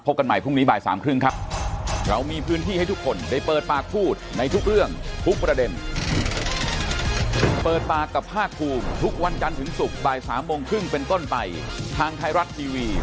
กันใหม่พรุ่งนี้บ่ายสามครึ่งครับ